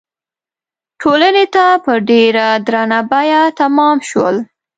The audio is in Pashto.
ټولنې ته په ډېره درنه بیه تمام شول.